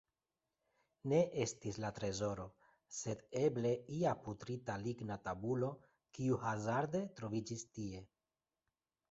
Ne estis la trezoro, sed eble ia putrita ligna tabulo, kiu hazarde troviĝis tie.